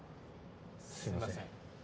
すいません。